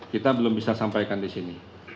kita belum bisa sampaikan disini